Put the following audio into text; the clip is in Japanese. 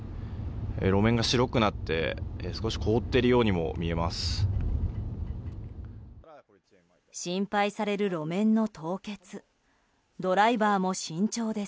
路面が白くなって少し凍っているようにも見えます。